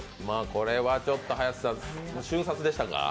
これはちょっと林さん、瞬殺でしたか？